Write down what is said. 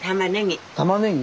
たまねぎ。